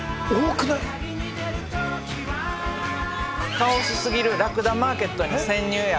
カオスすぎるラクダマーケットに潜入や。